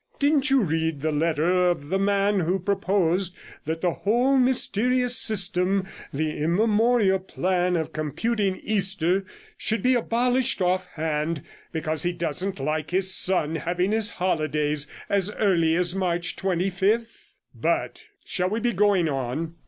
Didn't you read the letter of the man who proposed that the whole mysterious system, the immemorial plan of computing Easter, should be abolished off hand, because he doesn't like his son having his holidays as early as March 25th? But shall we be going on?'